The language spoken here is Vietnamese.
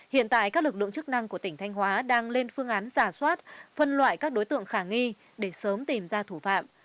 hiện tại các lực lượng chức năng của tỉnh thanh hóa đang lên phương án giả soát phân loại các đối tượng khả nghi để sớm tìm ra thủ phạm